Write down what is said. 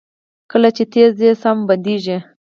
کله چې چټک ځئ ساه مو بندیږي؟